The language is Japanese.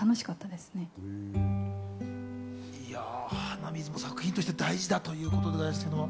鼻水も作品として大事だということでございます。